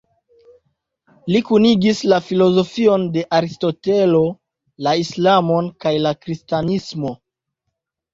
Li kunigis la filozofion de Aristotelo, la Islamon kaj la Kristanismo.